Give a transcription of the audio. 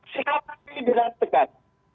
sekalipun dengan dekat